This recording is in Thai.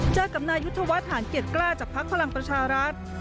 เจอกับนายุธวัฒน์หานเกียจกล้าจากพักพลังประชารัฐ